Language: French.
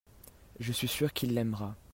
je suis sûr qu'il aimera.